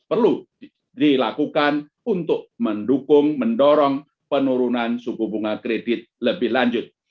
perlu dilakukan untuk mendukung mendorong penurunan suku bunga kredit lebih lanjut